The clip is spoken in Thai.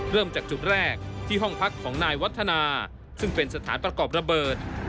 เริ่มจากจุดแรกที่ห้องพักของนายวัฒนาซึ่งเป็นสถานประกอบระเบิด